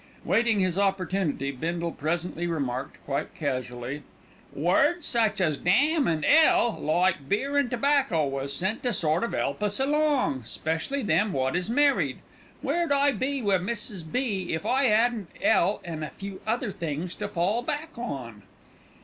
Waiting his opportunity, Bindle presently remarked quite casually: "Words such as 'damn' and ''ell,' like beer and tobacco, was sent to sort of 'elp us along, 'specially them wot is married. Where'd I be wi' Mrs. B. if I 'adn't 'ell an' a few other things to fall back on?